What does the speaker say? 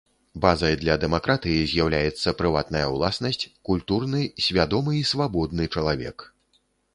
Базай для дэмакратыі з'яўляецца прыватная ўласнасць, культурны, свядомы і свабодны чалавек.